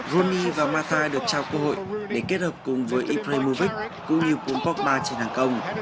rooney và matai được trao cơ hội để kết hợp cùng với ibrahimovic cũng như pogba trên hàng công